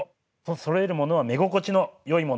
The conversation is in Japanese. そろえるものは目心地のよいものを。